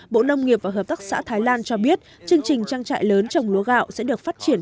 bộ nông nghiệp và hợp tác xã thái lan cho biết chương trình trang trại lớn trồng lúa gạo sẽ được phát triển